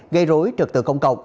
gây rối trực tượng công cộng